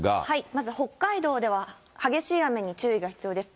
まず北海道では激しい雨に注意が必要です。